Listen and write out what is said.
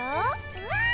うわ！